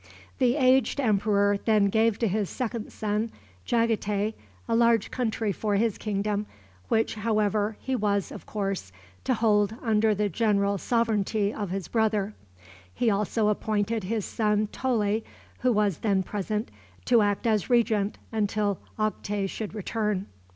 The aged emperor then gave to his second son, Jagatay, a large country for his kingdom, which, however, he was, of course, to hold under the general sovereignty of his brother. He also appointed his son Toley, who was then present, to act as regent until Oktay should return.